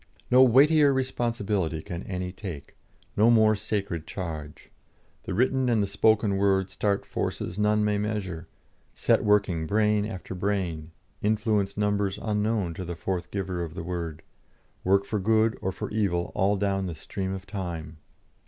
No weighter responsibility can any take, no more sacred charge. The written and the spoken word start forces none may measure, set working brain after brain, influence numbers unknown to the forthgiver of the word, work for good or for evil all down the stream of time.